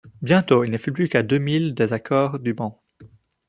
Bientôt il ne fut plus qu’à deux milles des accores du banc.